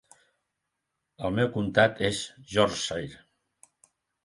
El meu comtat és Yorkshire.